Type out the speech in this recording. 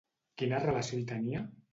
Quina relació hi tenia?